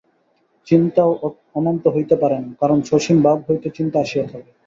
চিন্তাও অনন্ত হইতে পারে না, কারণ সসীম ভাব হইতে চিন্তা আসিয়া থাকে।